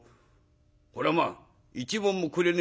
これはまあ１文もくれねえ